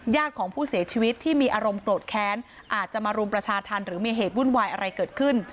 ของผู้เสียชีวิตที่มีอารมณ์โกรธแค้นอาจจะมารุมประชาธรรมหรือมีเหตุวุ่นวายอะไรเกิดขึ้น